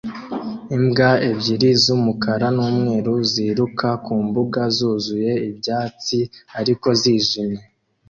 Imbwa ebyiri z'umukara n'umweru ziruka ku mbuga zuzuye ibyatsi ariko zijimye